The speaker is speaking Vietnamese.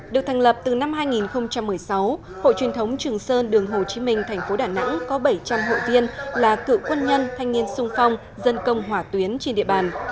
được thành lập từ năm hai nghìn một mươi sáu hội truyền thống trường sơn đường hồ chí minh thành phố đà nẵng có bảy trăm linh hội viên là cựu quân nhân thanh niên sung phong dân công hỏa tuyến trên địa bàn